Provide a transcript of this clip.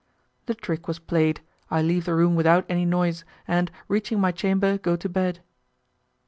The trick was played, I leave the room without any noise, and, reaching my chamber, go to bed.